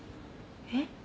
えっ？